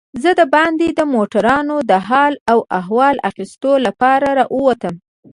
زه دباندې د موټرانو د حال و احوال اخیستو لپاره راووتم.